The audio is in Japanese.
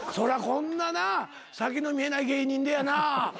こんなな先の見えない芸人でやな。